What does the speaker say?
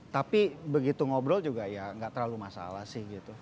tapi begitu ngobrol juga ya nggak terlalu masalah sih gitu